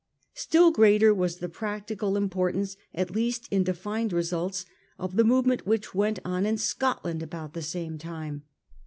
Still greater was the practical importance, at least in defined results, of the movement which went on in Scotland about the same time.